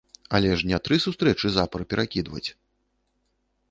Але ж не тры сустрэчы запар пракідваць!